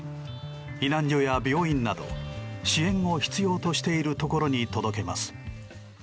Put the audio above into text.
避難所や病院など支援を必要としているところに届けます。